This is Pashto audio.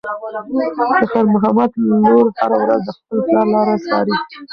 د خیر محمد لور هره ورځ د خپل پلار لاره څاري.